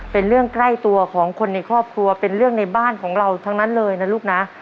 เป็นเรื่องใกล้ตัวของคนในครอบครัวเป็นเรื่องในบ้านของเราทั้งนั้นเลยนะลูกนะ